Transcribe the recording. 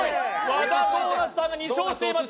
和田ドーナツさんが２勝しています